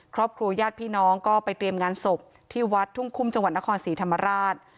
ครอบครัวญาติพี่น้องก็ไปเตรียมงานศพที่วัดทุ่งคุ่มจังหวัดนครศรีธรรมราช